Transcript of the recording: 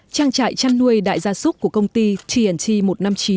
trang trại chăn nuôi đại gia súc của công ty tnt một trăm năm mươi chín